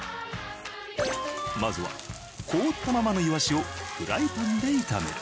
まずは凍ったままのいわしをフライパンで炒める。